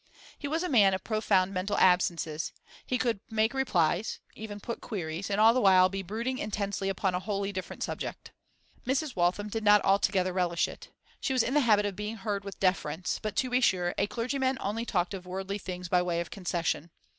He was a man of profound mental absences; he could make replies, even put queries, and all the while be brooding intensely upon a wholly different subject. Mrs. Waltham did not altogether relish it; she was in the habit of being heard with deference; but, to be sure, a clergyman only talked of worldly things by way of concession.